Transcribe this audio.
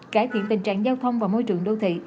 cải thiện tình trạng giao thông và môi trường đô thị